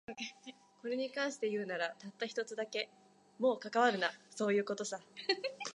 これに関して言うなら、たった一つだけ。もう関わるな、そういう事さ。